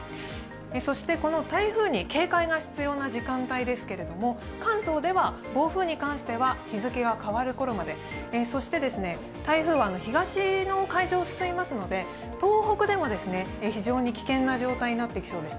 そして台風に警戒が必要な時間帯ですけれども、関東では暴風に関しては日付が変わるころまでそして台風は東の海上を進みますので東北でも非常に危険な状態になってきそうです。